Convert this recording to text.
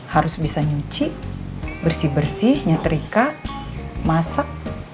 harus bisa nyuci bersih bersih nyeterika masak